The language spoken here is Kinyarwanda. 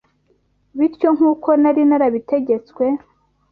Bityo nk’uko nari narabitegetswe